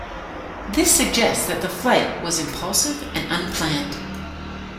This suggests that the Flight was impulsive and unplanned.